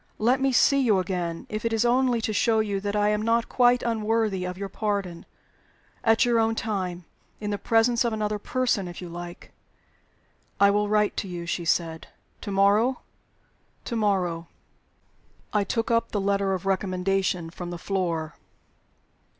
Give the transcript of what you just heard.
Let me see you again, if it is only to show that I am not quite unworthy of your pardon at your own time; in the presence of another person, if you like." "I will write to you," she said. "To morrow?" "To morrow." I took up the letter of recommendation from the floor.